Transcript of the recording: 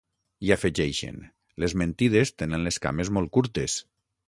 I afegeixen: Les mentides tenen les cames molt curtes.